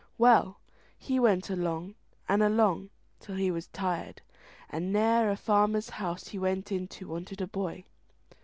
Well, he went along and along till he was tired, and ne'er a farmer's house he went into wanted a boy.